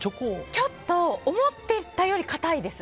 ちょっと思ってたより硬いです。